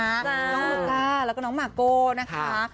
น้องหัวตาแล้วก็น้องหมาโกนะคะ